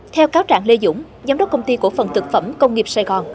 theo cáo trạng lê dũng giám đốc công ty cổ phần thực phẩm công nghiệp sài gòn